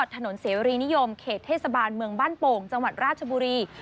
ถนนเสรีนิยมเขตเทศบาลเมืองบ้านโป่งจังหวัดราชบุรี